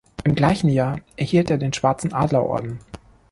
Im gleichen Jahr erhielt er den Schwarzen Adlerorden.